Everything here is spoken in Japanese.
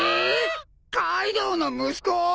カイドウの息子！？